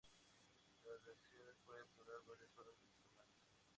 Las reacciones pueden durar varias horas o semanas.